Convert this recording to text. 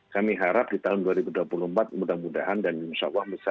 kami harap di tahun dua ribu dua puluh empat mudah mudahan dan insya allah